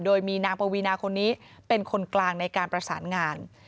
โดยมีนางปวีนาคนนี้เป็นคนกลางในการประสานงาน